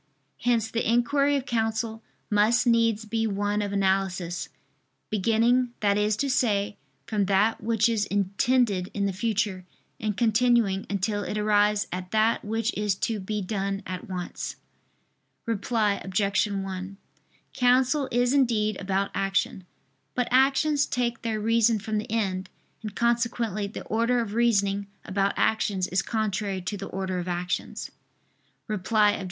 Hence the inquiry of counsel must needs be one of analysis, beginning that is to say, from that which is intended in the future, and continuing until it arrives at that which is to be done at once. Reply Obj. 1: Counsel is indeed about action. But actions take their reason from the end; and consequently the order of reasoning about actions is contrary to the order of actions. Reply Obj.